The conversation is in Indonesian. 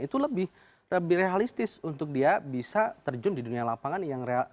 itu lebih realistis untuk dia bisa terjun di dunia lapangan yang real